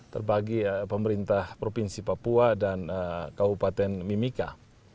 terbagi pemerintah provinsi papua dan kabupaten mimika